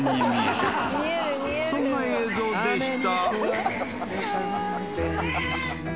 ［そんな映像でした］